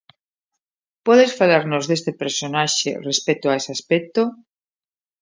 Podes falarnos deste personaxe respecto a ese aspecto?